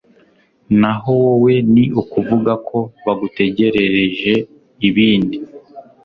naho wowe ni ukuvuga ko bagutegerereje ibindi